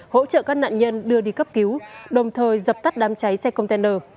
hỗ trợ các nạn nhân đưa đi cấp cứu đồng thời dập tắt đám cháy xe container